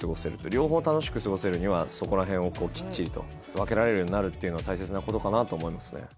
両方楽しく過ごせるにはそこら辺をきっちりと分けられるようになるっていうのは大切なことかなと思いますね